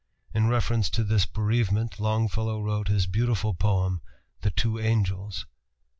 In reference to this bereavement Longfellow wrote his beautiful poem, "The Two Angels."